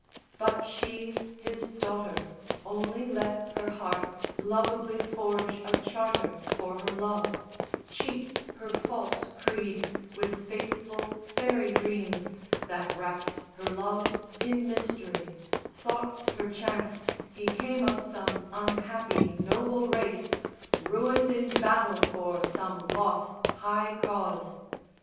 But she, his daughter, only let her heart Loveably forge a charter for her love, Cheat her false creed with faithful faery dreams That wrapt her love in mystery; thought, perchance, He came of some unhappy noble race Ruined in battle for some lost high cause.